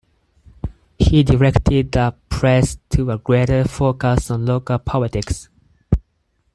He directed the "Press" to a greater focus on local politics.